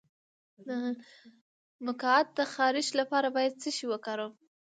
د مقعد د خارښ لپاره باید څه شی وکاروم؟